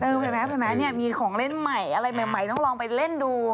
เห็นไหมเนี่ยมีของเล่นใหม่อะไรใหม่ต้องลองไปเล่นดู